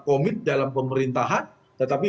komit dalam pemerintahan tetapi